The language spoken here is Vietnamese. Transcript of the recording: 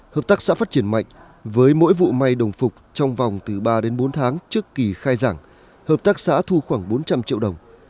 hợp tác xã phát triển mạnh với mỗi vụ may đồng phục trong vòng từ ba đến bốn tháng trước kỳ khai giảng hợp tác xã thu khoảng bốn trăm linh triệu đồng